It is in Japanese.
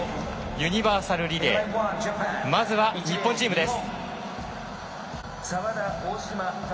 ユニバーサルリレーまずは日本チームです。